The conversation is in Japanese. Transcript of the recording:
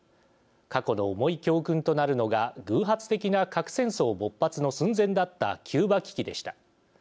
過去の重い教訓となるのが偶発的な核戦争勃発の寸前だったキューバ危機でした。